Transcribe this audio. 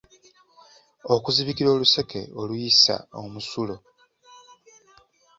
Okuzibikira oluseke oluyisa omusulo.